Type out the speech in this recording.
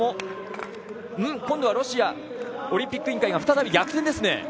今度はロシアオリンピック委員会が再び逆転ですね。